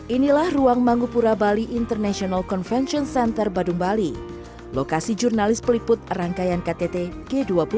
inilah ruang mangupura bali international convention center badung bali lokasi jurnalis peliput rangkaian ktt g dua puluh